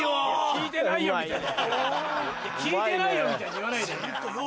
「聞いてないよ」みたいに言わないでよ。